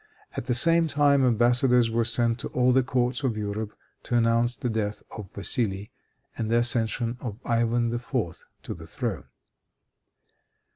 At the same time embassadors were sent to all the courts of Europe to announce the death of Vassili and the accession of Ivan IV. to the throne.